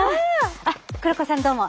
あっ黒子さんどうも。